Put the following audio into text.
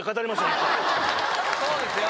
何かそうですよ